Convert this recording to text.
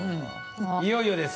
いよいよです。